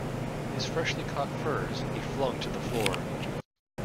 His freshly caught furs he flung to the floor.